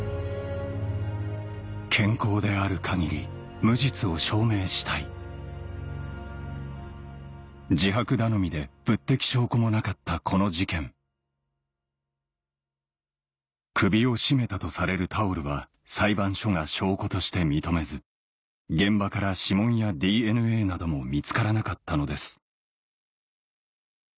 健康である限り無実を証明したい自白頼みで物的証拠もなかったこの事件首を絞めたとされるタオルは裁判所が証拠として認めず現場から指紋やＤＮＡなども見つからなかったのです